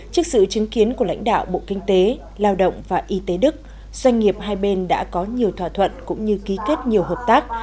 trước sự chứng kiến của lãnh đạo bộ kinh tế lao động và y tế đức doanh nghiệp hai bên đã có nhiều thỏa thuận cũng như ký kết nhiều hợp tác